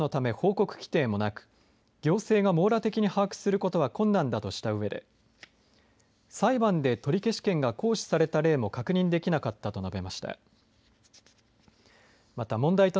担当者は消費者契約法は民事ルールのため報告規定もなく行政が網羅的に把握することは困難だとしたうえで裁判で取消権が行使された例も確認できなかったと述べました。